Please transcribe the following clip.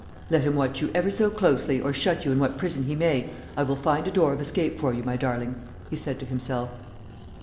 "Let him watch you never so closely, or shut you in what prison he may, I will find a door of escape for you, my darling," he said to himself.